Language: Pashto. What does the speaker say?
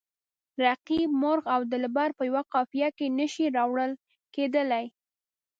رقیب، مرغ او دلبر په یوه قافیه کې نه شي راوړل کیدلای.